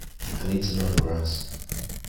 I need to mow the grass.